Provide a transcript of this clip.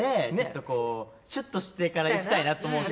こう、しゅっとしてから行きたいなと思って。